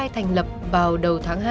thành lập vào đầu tháng hai